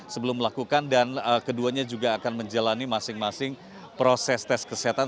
sebelum melakukan dan keduanya juga akan menjalani masing masing proses tes kesehatan